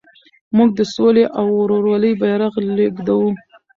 موږ د سولې او ورورولۍ بیرغ لېږدوو.